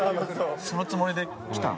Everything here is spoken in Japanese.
そのつもりで来たの？